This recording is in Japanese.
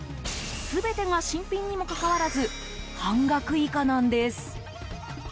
全てが新品にもかかわらず半額以下なんです。